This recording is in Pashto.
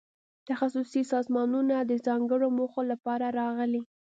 تخصصي سازمانونه د ځانګړو موخو لپاره راغلي.